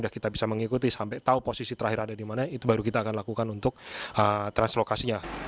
kita bisa mengikuti sampai tahu posisi terakhir ada di mana itu baru kita akan lakukan untuk translokasinya